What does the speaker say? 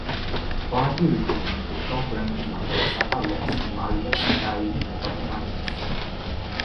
Barty retained the top ranking after Osaka lost to Maria Sakkari in the quarterfinals.